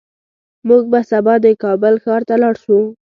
موږ به سبا د کابل ښار ته لاړ شو